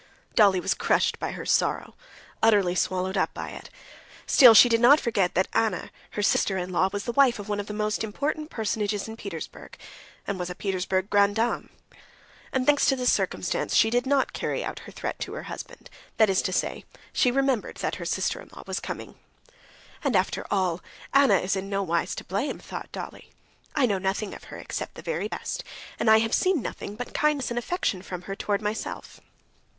Dolly was crushed by her sorrow, utterly swallowed up by it. Still she did not forget that Anna, her sister in law, was the wife of one of the most important personages in Petersburg, and was a Petersburg grande dame. And, thanks to this circumstance, she did not carry out her threat to her husband—that is to say, she remembered that her sister in law was coming. "And, after all, Anna is in no wise to blame," thought Dolly. "I know nothing of her except the very best, and I have seen nothing but kindness and affection from her towards myself."